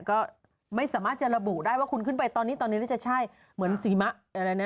ก็ไม่สามารถจะระบุได้ว่าคุณขึ้นไปตอนนี้ตอนนี้นี่จะใช่เหมือนฝีมะอะไรนะ